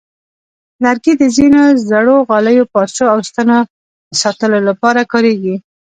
لرګي د ځینو زړو غالیو، پارچو، او ستنو د ساتلو لپاره کارېږي.